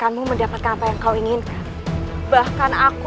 untuk mendapatkan video terbaru